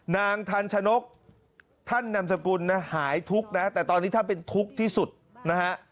นางทันชนกท่านนามสกุลนะหายทุกข์นะแต่ตอนนี้ท่านเป็นทุกข์ที่สุดนะฮะ